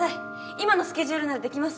今のスケジュールならできます！